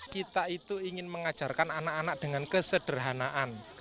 kita itu ingin mengajarkan anak anak dengan kesederhanaan